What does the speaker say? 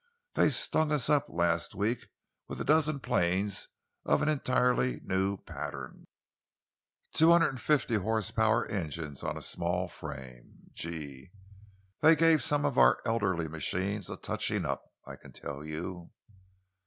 They stung us up last week with a dozen planes of an entirely new pattern, two hundred and fifty horse power engines on a small frame. Gee, they gave some of our elderly machines a touching up, I can tell you!"